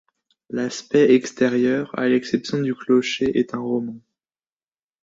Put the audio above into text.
L’aspect extérieur, à l’exception du clocher, est roman.